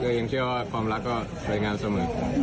ยังเชื่อว่าความรักก็สวยงามเสมอ